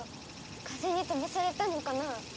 風にとばされたのかなあ？